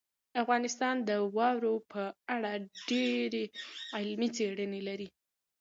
افغانستان د واورو په اړه ډېرې علمي څېړنې لري.